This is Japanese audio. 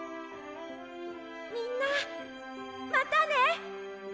みんなまたね！